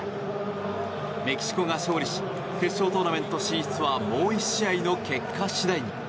メキシコが勝利し決勝トーナメント進出はもう１試合の結果次第に。